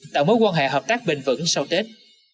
tạo mối quan hệ hợp tác bền vững sau tết